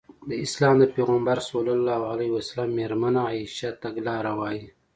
د اسلام پيغمبر ص مېرمنه عايشه تګلاره وايي.